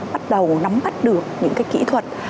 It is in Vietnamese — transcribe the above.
bắt đầu nắm bắt được những cái kỹ thuật